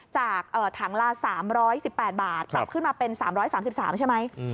จากถังละ๓๑๘บาทปรับขึ้นมาเป็น๓๓ใช่ไหม